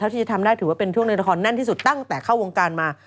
ที่จะทำได้ถือว่าเป็นช่วงในละครแน่นที่สุดตั้งแต่เข้าวงการมา